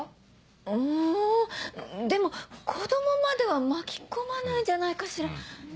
うんでも子供までは巻き込まないんじゃないかしら？